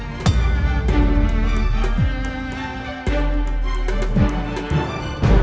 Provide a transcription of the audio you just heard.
apa yang anda lakukan